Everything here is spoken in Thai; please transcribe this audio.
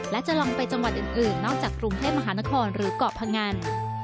และจะลองไปจังหวัดอื่นนอกจากกรุงเทพมหานครหรือเกาะพงัน